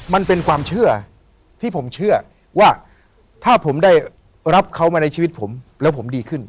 มันเป็นความเชื่อที่ผมเชื่อว่าถ้าผมได้รับเขามาในชีวิตผมแล้วผมดีขึ้น